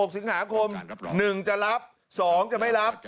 ๖สิงหาคม๑จะรับ๒จะไม่รับ